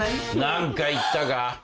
何か言ったか？